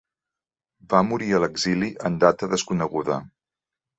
Va morir a l'exili en data desconeguda.